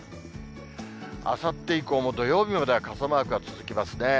あさって以降も土曜日までは傘マークが続きますね。